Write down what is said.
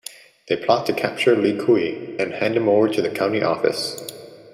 They plot to capture Li Kui and hand him over to the county office.